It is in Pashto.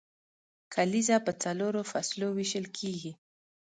کلیزه په څلورو فصلو ویشل کیږي.